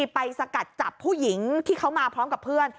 สกัดจับผู้หญิงที่เขามาพร้อมกับเพื่อน